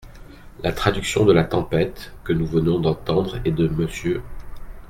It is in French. La traduction de la Tempête, que nous venons d'entendre, est de M.